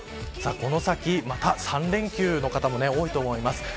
この先、また３連休の方も多いと思います。